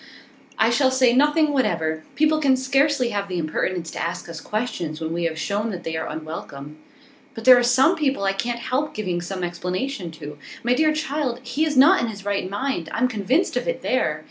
'I shall say nothing whatever. People can scarcely have the impertinence to ask us questions when we have shown that they are unwelcome.' 'But there are some people I can't help giving some explanation to. My dear child, he is not in his right mind. I'm convinced of it, there!